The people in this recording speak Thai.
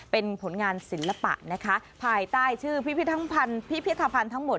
เป็นผลงานศิลปะนะคะภายใต้ชื่อพิพิธภัณฑ์ทั้งหมด